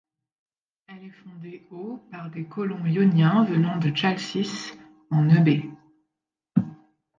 Elle est fondée au par des colons Ioniens venant de Chalcis, en Eubée.